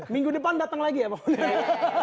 minggu depan datang lagi ya pak budiman